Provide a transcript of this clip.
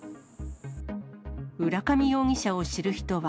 浦上容疑者を知る人は。